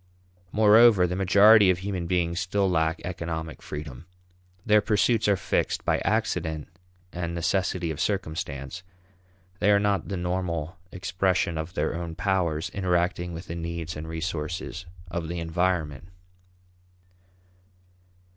Moreover, the majority of human beings still lack economic freedom. Their pursuits are fixed by accident and necessity of circumstance; they are not the normal expression of their own powers interacting with the needs and resources of the environment.